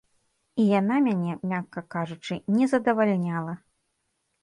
І яна мяне, мякка кажучы, не задавальняла.